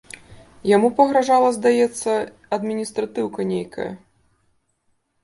Яму пагражала, здаецца, адміністратыўка нейкая.